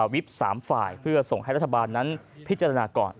วิบ๓ฝ่ายเพื่อส่งให้รัฐบาลนั้นพิจารณาก่อน